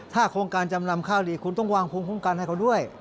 โครงการจำนำข้าวดีคุณต้องวางภูมิคุ้มกันให้เขาด้วย